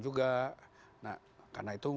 juga nah karena itu